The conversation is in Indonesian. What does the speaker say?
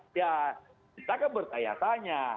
kita akan bertanya tanya